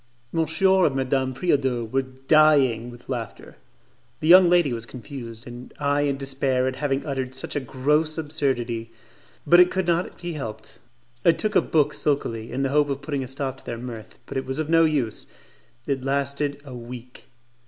Monsieur and Madame Preodot were dying with laughter; the young lady was confused, and I in despair at having uttered such a gross absurdity; but it could not be helped. I took a book sulkily, in the hope of putting a stop to their mirth, but it was of no use: it lasted a week.